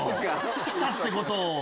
来たってことを。